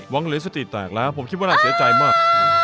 หรือสติแตกแล้วผมคิดว่าน่าเสียใจมาก